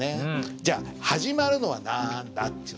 じゃあ始まるのはなんだ？っていう。